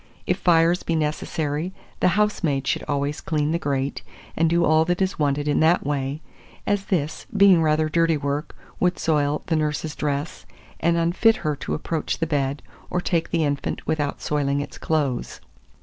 If fires be necessary, the housemaid should always clean the grate, and do all that is wanted in that way, as this, being rather dirty work, would soil the nurse's dress, and unfit her to approach the bed, or take the infant without soiling its clothes.